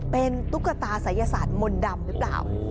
เป็นตุ๊กตาศัยศาสตร์มนต์ดำหรือเปล่า